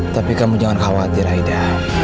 tapi kamu jangan khawatir aida